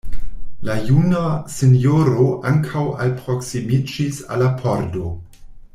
La juna sinjoro ankaŭ alproksimiĝis al la pordo.